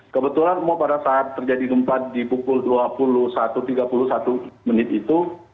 kebetulan pada saat terjadi gempa di pukul dua puluh satu tiga puluh satu menit itu